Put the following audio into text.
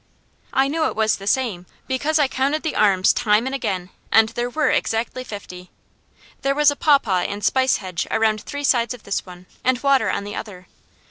I knew it was the same, because I counted the arms time and again, and there were exactly fifty. There was a pawpaw and spice hedge around three sides of this one, and water on the other.